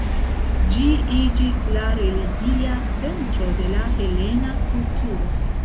Ĝi iĝis la religia centro de la helena kulturo.